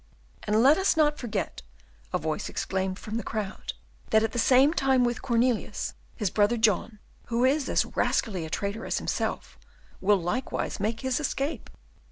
"And let us not forget," a voice exclaimed from the crowd, "that at the same time with Cornelius his brother John, who is as rascally a traitor as himself, will likewise make his escape."